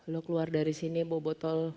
lo keluar dari sini bawa botol